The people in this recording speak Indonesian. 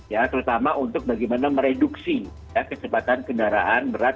ya terutama untuk bagaimana mereduksi ya kecepatan kendaraan berat